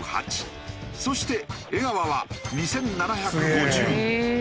そして江川は２７５０。